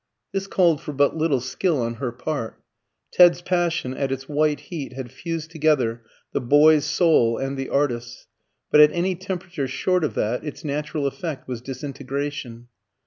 This called for but little skill on her part. Ted's passion at its white heat had fused together the boy's soul and the artist's, but at any temperature short of that its natural effect was disintegration.